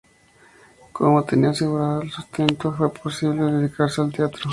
Como tenía asegurado el sustento le fue posible dedicarse al teatro.